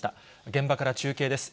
現場から中継です。